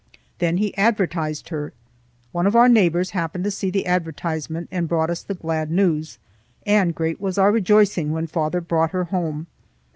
Then he advertised her. One of our neighbors happened to see the advertisement and brought us the glad news, and great was our rejoicing when father brought her home.